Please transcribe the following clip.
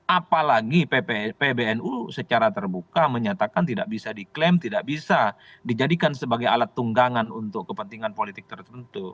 apalagi pbnu secara terbuka menyatakan tidak bisa diklaim tidak bisa dijadikan sebagai alat tunggangan untuk kepentingan politik tertentu